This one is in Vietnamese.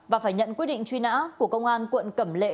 và phải nhận quyết định truy nã của công an quận cẩm lệ